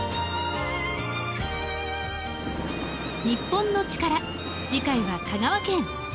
『日本のチカラ』次回は香川県。